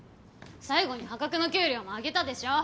最後に破格の給料もあげたでしょ。